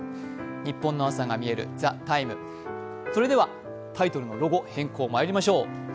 ニッポンの朝がみえる「ＴＨＥＴＩＭＥ，」タイトルのロゴ、変更まいりましょう。